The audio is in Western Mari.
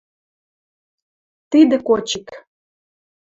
Тидӹ Кочик.